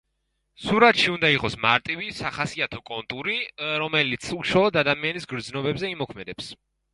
სურათში უნდა იყოს მარტივი, სახასიათო კონტური, რომელიც უშუალოდ ადამიანის გრძნობებზე იმოქმედებს.